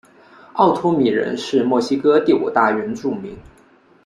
奥托米人是墨西哥第五大原住民。